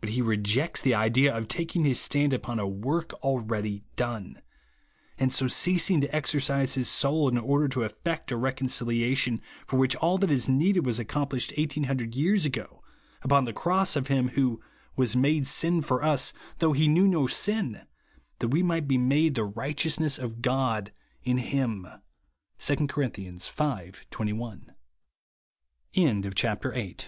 But he rejects the idea of taking his stand upon a tvorh already done, and so ceasing to exercise his soul in order to effect a reconciliation, for which all that is needed was accom plished eighteen hundred years ago, upon the cross of Him who " vv^as made sin for us, though he knew no sin ; that we might be made the righteousness of God in him/* (2 Cor. V. 21). CHAPTER IX. BELIEVE JUST KOW. Psa.